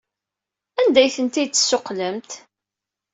Anda ay tent-id-tessuqqlemt?